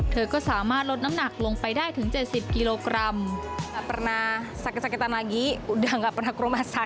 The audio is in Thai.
เธอก็สามารถลดน้ำหนักลงไปได้ถึง๗๐กิโลกรัม